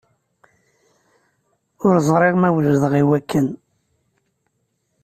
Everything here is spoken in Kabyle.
Ur ẓriɣ ma wejdeɣ i wakken.